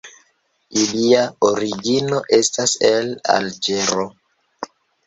Ilia origino estas el Alĝero.